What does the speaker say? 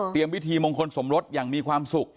วิธีมงคลสมรสอย่างมีความสุข